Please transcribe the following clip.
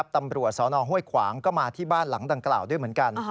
ตำรวจสนห้วยขวางก็มาที่บ้านหลังดังกล่าวด้วยเหมือนกัน